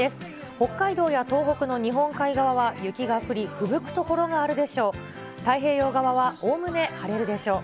北海道や東北の日本海側は雪が降り、ふぶく所があるでしょう。